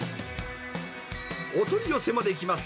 お取り寄せもできます。